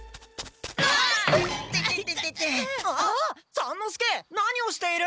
三之助何をしている？